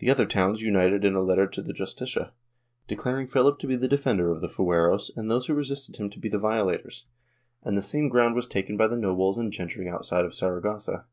The other towns united in a letter to the Justicia, declaring Philip to be the defender of the f ueros and those who resisted him to be the violators, and the same 264 POLITICAL ACTIVITY [Book VIII ground was taken by the nobles and gentry outside of Saragossa.